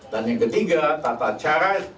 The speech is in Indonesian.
dan yang ketiga tata cara